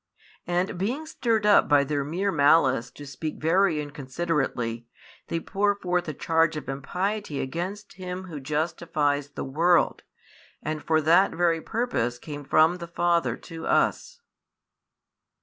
And being stirred up by their mere malice to speak very inconsiderately, they pour forth a charge of impiety against Him Who justifies the world, and for that very purpose came from the Father to us.